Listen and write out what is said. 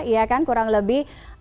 iya kan kurang lebih